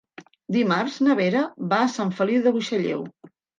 Dimarts na Vera va a Sant Feliu de Buixalleu.